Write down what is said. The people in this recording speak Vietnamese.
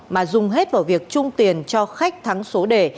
mà dùng hết vào việc trung tiền cho khách thắng số đề